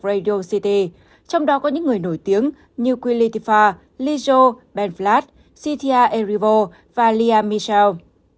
radio city trong đó có những người nổi tiếng như queen latifah lizzo ben flatt cynthia erivo và lea michele